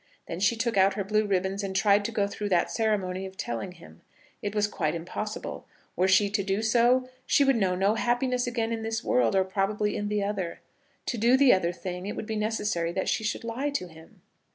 Then she took out her blue ribbons, and tried to go through that ceremony of telling him. It was quite impossible. Were she to do so, she would know no happiness again in this world, or probably in the other. To do the thing, it would be necessary that she should lie to him.